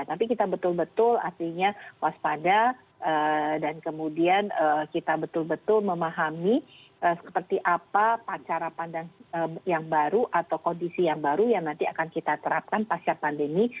tapi kita betul betul artinya waspada dan kemudian kita betul betul memahami seperti apa cara pandang yang baru atau kondisi yang baru yang nanti akan kita terapkan pasca pandemi